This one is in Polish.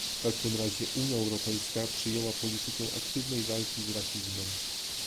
W każdym razie Unia Europejska przyjęła politykę aktywnej walki z rasizmem